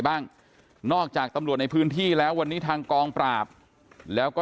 บ้างนอกจากตำรวจในพื้นที่แล้ววันนี้ทางกองปราบแล้วก็